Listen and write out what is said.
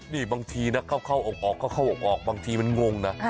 นี่บางทีนะเข้าออกเข้าออกบางทีมันงงนะ